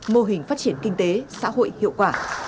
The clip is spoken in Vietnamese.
mô hình phát triển kinh tế xã hội hiệu quả